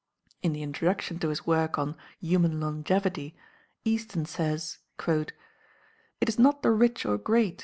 In the introduction to his work on "Human Longevity," Easton says, "It is not the rich or great